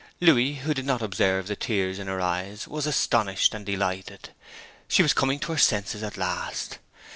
Louis, who did not observe the tears in her eyes, was astonished and delighted: she was coming to her senses at last.